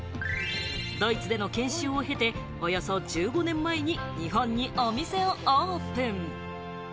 ドイツでの研修を経て、およそ１５年前に日本にお店をオープン。